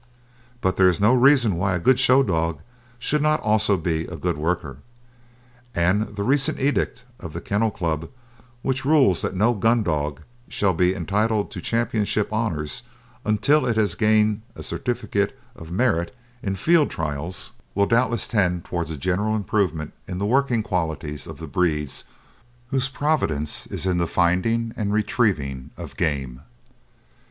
But there is no reason why a good show dog should not also be a good worker, and the recent edict of the Kennel Club which rules that no gun dog shall be entitled to championship honours until it has gained a certificate of merit in field trials will doubtless tend towards a general improvement in the working qualities of the breeds whose providence is in the finding and retrieving of game.